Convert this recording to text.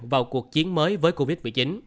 vào cuộc chiến mới với covid một mươi chín